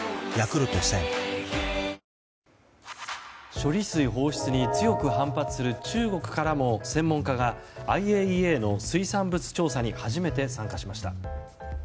処理水放出に強く反発する中国からも専門家がＩＡＥＡの水質物調査に初めて参加しました。